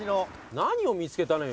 何を見つけたのよ。